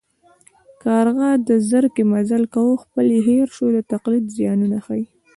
کارغه د زرکې مزل کاوه خپل یې هېر شو د تقلید زیانونه ښيي